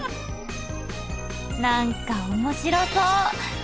なんか面白そう！